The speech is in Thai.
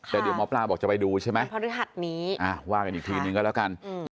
แต่เดี๋ยวหมอปลาบอกจะไปดูใช่ไหมพฤหัสนี้ว่ากันอีกทีนึงก็แล้วกัน